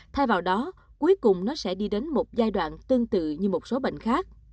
thay vào đó cuối cùng nó sẽ đi đến một giai đoạn tương tự như một số bệnh khác